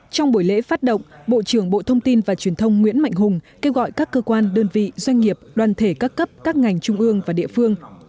trong buổi lễ phát động bộ trưởng bộ thông tin và truyền thông nguyễn mạnh hùng kêu gọi các cơ quan đơn vị doanh nghiệp đoàn thể các cấp các ngành trung ương và địa phương